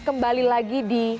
kembali lagi di